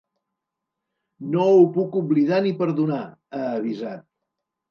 No ho puc oblidar ni perdonar, ha avisat.